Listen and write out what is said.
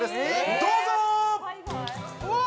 どうぞ！